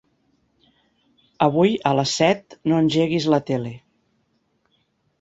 Avui a les set no engeguis la tele.